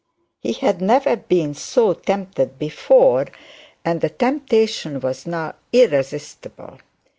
He had never been so tempted before, and the temptation was now irresistible.